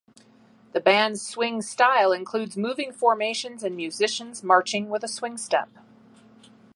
The band's swing style includes moving formations and musicians marching with a swing step.